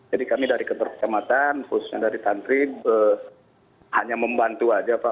jadi kami dari ketua kecamatan khususnya dari tantri hanya membantu saja pak